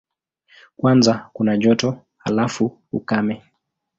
Kwanza kuna joto, halafu ukame.